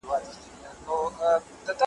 ما خو له خلوته لا پخوا توبه ایستلې وه ,